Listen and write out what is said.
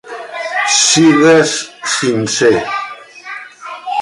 Sigues sincer.